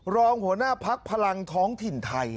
รองหัวหน้าพักพลังท้องถิ่นไทย